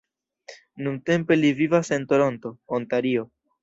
Nuntempe li vivas en Toronto, Ontario.